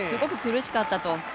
すごく苦しかったと。